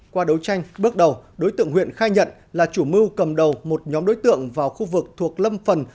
qua đấu tranh bước đầu đối tượng huyện khai nhận là chủ mưu cầm đầu một nhóm đối tượng vào khu vực thuộc lâm phần